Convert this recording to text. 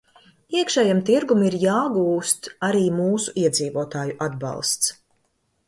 Iekšējam tirgum ir jāgūst arī mūsu iedzīvotāju atbalsts.